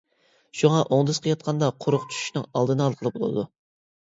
شۇڭا ئوڭدىسىغا ياتقاندا قورۇق چۈشۈشنىڭ ئالدىنى ئالغىلى بولىدۇ.